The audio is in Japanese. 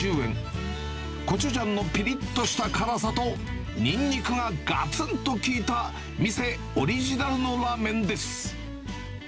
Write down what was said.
コチュジャンのぴりっとした辛さとにんにくががつんと効いた店オリジナルのラーメンです。